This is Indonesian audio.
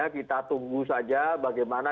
kita tunggu saja bagaimana